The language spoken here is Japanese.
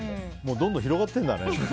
どんどん広がってるんだね。